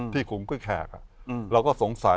ที่กุศแขกเราก็สงสัย